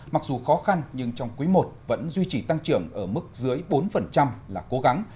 mặc dù khó khăn nhưng trong quý i vẫn duy trì tăng trưởng ở mức dưới bốn là cố gắng